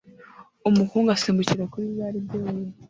Umuhungu asimbukira kuri za rigore